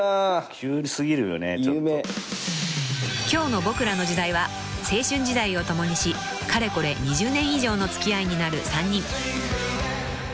［今日の『ボクらの時代』は青春時代を共にしかれこれ２０年以上の付き合いになる３人］